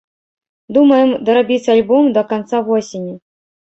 Думаем дарабіць альбом да канца восені.